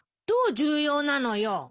どう重要なのよ。